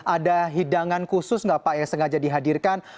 ada hidangan khusus nggak pak yang sengaja dihadirkan